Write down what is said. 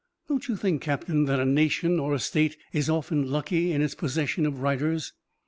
"Don't you think, Captain, that a nation or a state is often lucky in its possession of writers?"